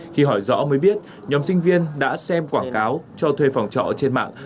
khi hỏi rõ mới biết nhóm sinh viên đã xem quảng cáo cho thuê phòng trọ trên mạng